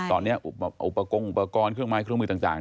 ตอนนี้อุปกรณ์อุปกรณ์เครื่องไม้เครื่องมือต่าง